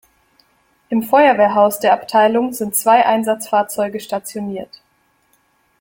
Im Feuerwehrhaus der Abteilung sind zwei Einsatzfahrzeuge stationiert.